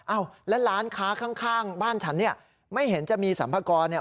อ้าวแล้วร้านค้าข้างบ้านฉันเนี่ยไม่เห็นจะมีสรรพากรเนี่ย